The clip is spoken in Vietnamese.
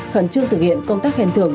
khẩn trương thực hiện công tác khen thưởng